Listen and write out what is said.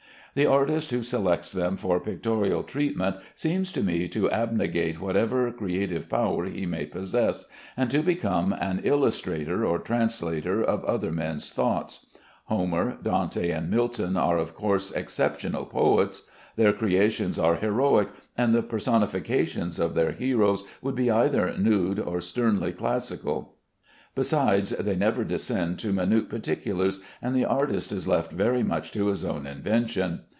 The artist who selects them for pictorial treatment seems to me to abnegate whatever creative power he may possess, and to become an illustrator or translator of other men's thoughts. Homer, Dante, and Milton are of course exceptional poets. Their creations are heroic, and the personifications of their heroes would be either nude or sternly classical. Besides, they never descend to minute particulars, and the artist is left very much to his own invention.